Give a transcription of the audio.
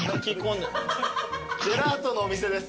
ジェラートのお店です。